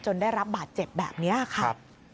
ได้รับบาดเจ็บแบบนี้ค่ะ